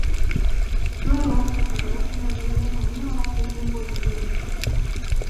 Luego preparó una doble maniobra de envolvimiento.